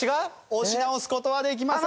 押し直す事はできません。